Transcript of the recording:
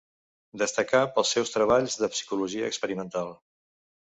Destacà pels seus treballs de psicologia experimental.